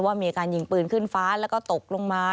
มีการยิงปืนขึ้นฟ้าแล้วก็ตกลงมา